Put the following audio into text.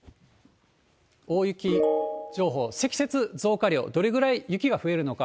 大雪情報、積雪増加量、どれぐらい雪が増えるのか。